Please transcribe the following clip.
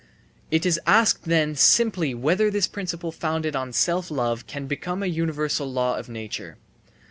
It is asked then simply whether this principle founded on self love can become a universal law of nature.